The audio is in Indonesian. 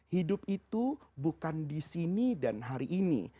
hidup itu bukan di sini dan hari ini